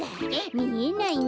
みえないの？